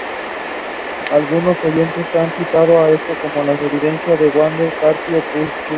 Algunos oyentes han citado esto como una evidencia de que Webber copió a Puccini.